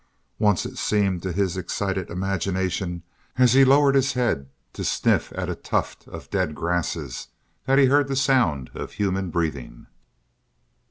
Once it seemed to his excited imagination as he lowered his head to sniff at a tuft of dead grasses that he heard the sound of human breathing.